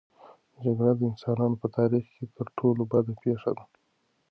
جګړه د انسانانو په تاریخ کې تر ټولو بده پېښه ده.